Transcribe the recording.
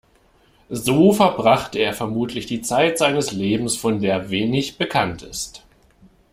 So verbracht er vermutlich die Zeit seines Lebens von der wenig bekannt ist.